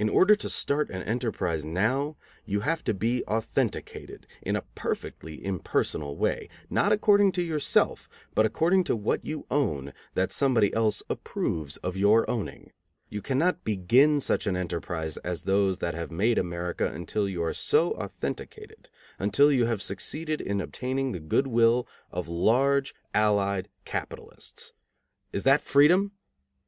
In order to start an enterprise now, you have to be authenticated, in a perfectly impersonal way, not according to yourself, but according to what you own that somebody else approves of your owning. You cannot begin such an enterprise as those that have made America until you are so authenticated, until you have succeeded in obtaining the good will of large allied capitalists. Is that freedom?